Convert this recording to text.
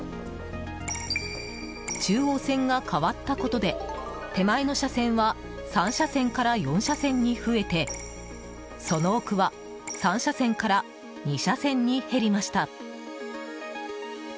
中央線が変わったことで手前の車線は３車線から４車線に増えてその奥は３車線から２車線に減りました。